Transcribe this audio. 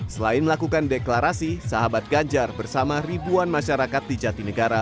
selain melakukan deklarasi sahabat ganjar bersama ribuan masyarakat di jatinegara